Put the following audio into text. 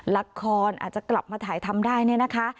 ลักษณ์อาจจะกลับมาถ่ายทำได้นะคะ